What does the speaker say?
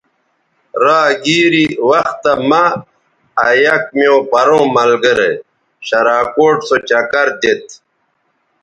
را گیری وختہ مہ آ یک میوں پروں ملگرے شراکوٹ سو چکر دیتھ